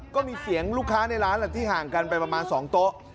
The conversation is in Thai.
ก็มีเสียงลูกค้าในร้านแหละที่ห่างกันไปประมาณ๒โต๊ะ